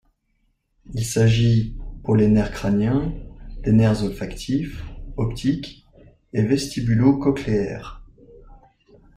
Il s'agit, pour les nerfs crâniens, des nerfs olfactif, optique et vestibulo-cochléaire.